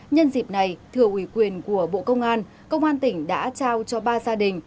nhân dịp này thừa ủy quyền của bộ công an công an tỉnh đã trao cho ba gia đình